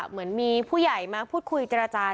เหมือนมีผู้ใหญ่มาพูดคุยกับจราจารย์